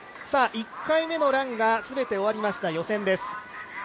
１回目のランがすべて終わりました予選です。